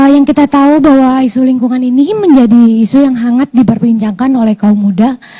yang kita tahu bahwa isu lingkungan ini menjadi isu yang hangat diperbincangkan oleh kaum muda